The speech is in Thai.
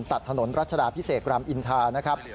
ตัดถนนรัชดาพิเศษกรรมอินทา